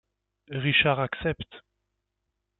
Richard accepte.